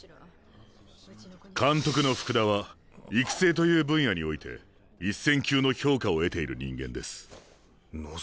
監督の福田は育成という分野において一線級の評価を得ている人間です。望。